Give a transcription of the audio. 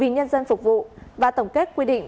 nhân dân phục vụ và tổng kết quy định